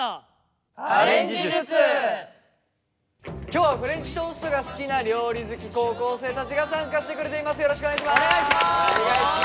今日はフレンチトーストが好きな料理好き高校生たちが参加してくれています。